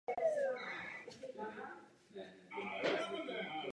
Akorát u té nic není.